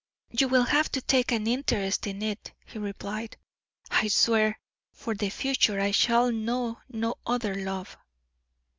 "You will have to take an interest in it," he replied; "I swear, for the future, you shall know no other love."